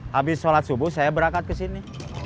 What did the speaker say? habis sholat subuh saya berangkat ke sini